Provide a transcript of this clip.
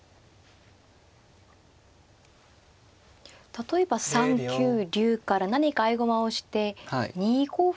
例えば３九竜から何か合駒をして２五歩と。